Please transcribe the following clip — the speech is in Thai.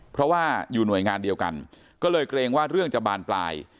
เพราะว่าอยู่หน่วยงานเดียวกันก็เลยเกรงว่าเรื่องจะบานปลาย